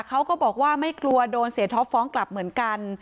เขาก็บอกว่าไม่กลัวโดนเสียท็อปฟ้องกลับเหมือนกัน